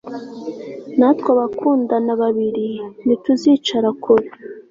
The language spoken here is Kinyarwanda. Natwe abakundana babiri ntituzicara kure